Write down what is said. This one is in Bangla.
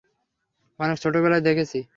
অনেক ছোটবেলায় দেখেছি।